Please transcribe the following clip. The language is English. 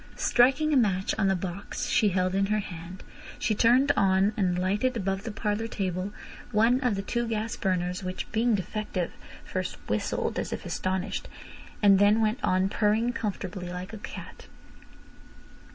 Striking a match on the box she held in her hand, she turned on and lighted, above the parlour table, one of the two gas burners, which, being defective, first whistled as if astonished, and then went on purring comfortably like a cat.